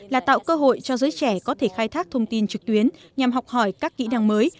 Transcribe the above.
là tạo cơ hội cho giới trẻ có thể khai thác thông tin trực tuyến nhằm học hỏi các kỹ năng mới